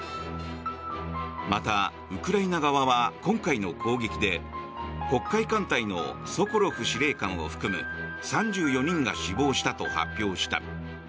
また、ウクライナ側は今回の攻撃で黒海艦隊のソコロフ司令官を含む３４人が死亡したと発表した。